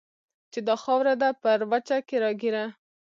چې دا خاوره ده پر وچه کې راګېره